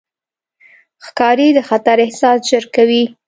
ښکاري د خطر احساس ژر کوي.